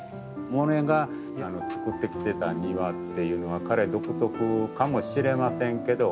モネがつくってきてた庭っていうのは彼独特かもしれませんけど。